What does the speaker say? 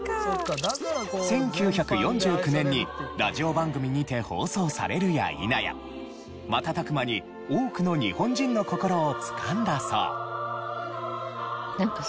１９４９年にラジオ番組にて放送されるや否や瞬く間に多くの日本人の心をつかんだそう。